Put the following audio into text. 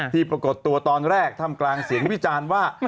ปรากฏตัวตอนแรกทำกลางเสียงวิจารณ์ว่า